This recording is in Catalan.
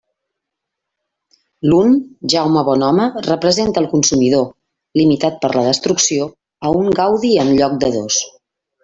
L'un, Jaume Bonhome, representa el consumidor, limitat per la destrucció a un gaudi en lloc de dos.